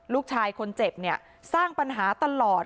ลูกชายคนเจ็บเนี่ยสร้างปัญหาตลอด